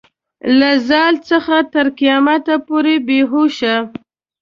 له ازل څخه تر قیامته پورې بې هوشه.